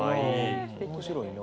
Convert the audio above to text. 面白いな。